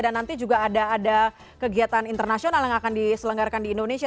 dan nanti juga ada kegiatan internasional yang akan diselenggarkan di indonesia